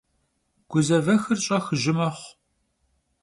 Guzevexır ş'ex jı mexhu.